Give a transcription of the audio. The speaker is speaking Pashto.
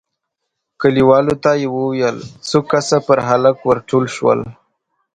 کليوالو ته يې وويل، څو کسه پر هلک ور ټول شول،